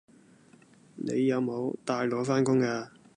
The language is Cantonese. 你有冇帶腦返工㗎